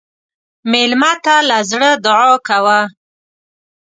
مېلمه ته له زړه دعا کوه.